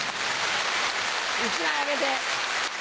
１枚あげて。